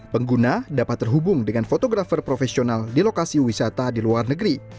pengguna dapat terhubung dengan fotografer profesional di lokasi wisata di luar negeri